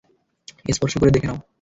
স্পর্শ করে দেখে নাও।